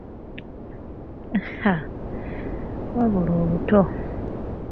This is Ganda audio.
Haaa wabula obuto!